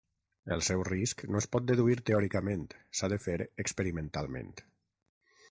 El seu risc no es pot deduir teòricament, s’ha de fer experimentalment.